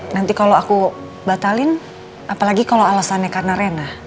nanti kalau aku batalin apalagi kalau alasannya karena renah